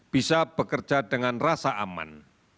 bisa bekerja dengan rasa aman